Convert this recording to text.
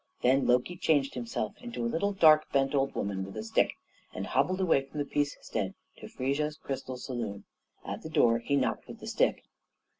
Then Loki changed himself into a little, dark, bent old woman, with a stick, and hobbled away from the Peacestead to Frigga's crystal saloon. At the door he knocked with the stick.